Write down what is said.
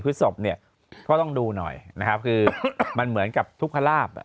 พฤศพเนี่ยเค้าต้องดูหน่อยนะครับคือมันเหมือนกับทุกภราพ